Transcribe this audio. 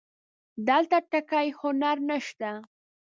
دلته ټکی هنر نه شته